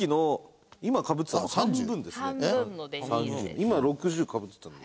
今６０かぶってたので。